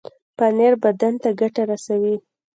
پنېر بدن ته ګټه رسوي.